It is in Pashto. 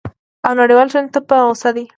او نړیوالي ټولني ته په غوصه دی!